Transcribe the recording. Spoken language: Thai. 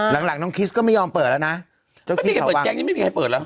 หลังหลังน้องคิสก็ไม่ยอมเปิดแล้วนะไม่มีใครเปิดแก๊งนี้ไม่มีใครเปิดแล้ว